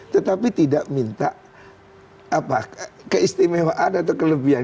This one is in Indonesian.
tetapi tidak minta keistimewaan atau kelebihan